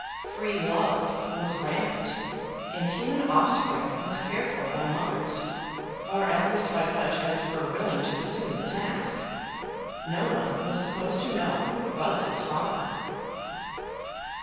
"Free Love" was rampant and human offspring was cared for by mothers, or at least by such as were willing to assume the task. No one was supposed to know who was his father.